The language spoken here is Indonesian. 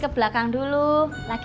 kemaren pas bangun pagi